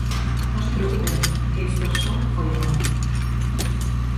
Non se preocupen, que isto só foi o comezo.